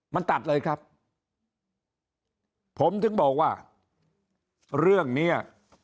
มันตัดเลยครับผมถึงบอกว่าเรื่องเนี้ย